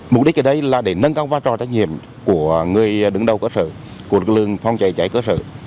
mục đích ở đây là để nâng cao vai trò trách nhiệm của người đứng đầu cơ sở của lực lượng phòng cháy cháy cơ sở